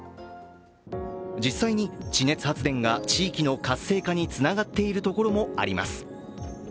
実際に地熱発電が地域の活性化につながっているところもあります。